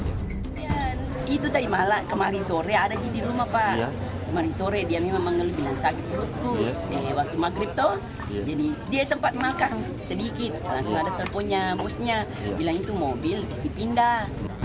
tidak ada terpunya busnya bila itu mobil disip pindah